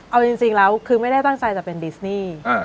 เอาจริงแล้วคือไม่ได้ตั้งใจจะเป็นดิสนี่